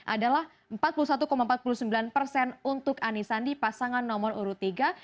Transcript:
adalah empat puluh satu empat puluh sembilan persen untuk anisandi pasangan nomor urutiga